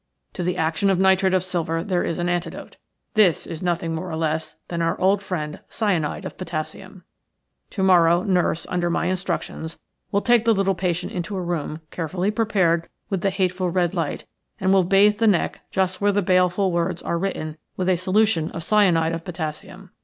To the action of nitrate of silver there is an antidote. This is nothing more or less than our old friend cyanide of potassium. To morrow nurse, under my instructions, will take the little patient into a room carefully prepared with the hateful red light, and will bathe the neck just where the baleful words are written with a solution of cyanide of potassium.